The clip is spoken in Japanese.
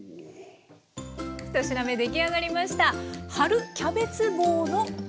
１品目出来上がりました。